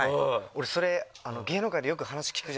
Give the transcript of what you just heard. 俺それ芸能界でよく話聞くじゃないですか。